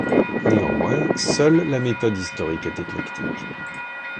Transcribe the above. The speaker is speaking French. Néanmoins, seule la méthode historique est éclectique.